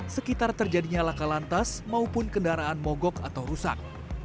sekitar terjadinya laka lantas maupun kendaraan mogok atau rusak